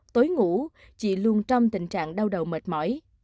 tối ngủ chị luôn trong tình trạng đau đầu mệt mỏi